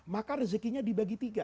maka rezekinya dibagi tiga